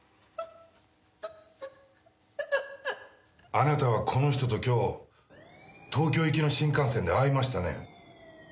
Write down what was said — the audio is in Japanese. あなたはこの人と今日東京行きの新幹線で会いましたね？